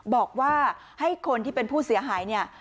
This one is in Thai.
บอกว่าให้คนที่เป็นผู้เสียหายเนี่ย